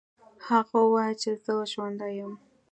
هغه وویل چې زه ژوندی یم.